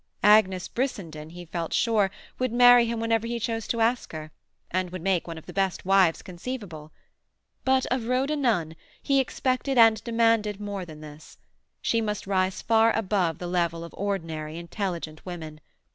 Agnes Brissenden, he felt sure, would marry him whenever he chose to ask her—and would make one of the best wives conceivable. But of Rhoda Nunn he expected and demanded more than this. She must rise far above the level of ordinary intelligent women.